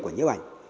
của nhếp ảnh